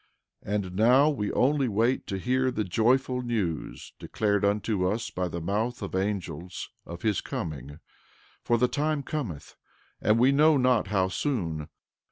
13:25 And now we only wait to hear the joyful news declared unto us by the mouth of angels, of his coming; for the time cometh, we know not how soon.